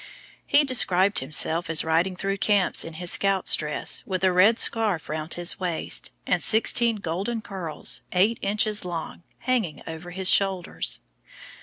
He described himself as riding through camps in his scout's dress with a red scarf round his waist, and sixteen golden curls, eighteen inches long, hanging over his shoulders.